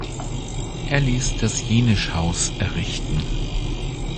Er ließ das Jenisch-Haus errichten.